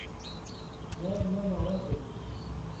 دا زما باور دی.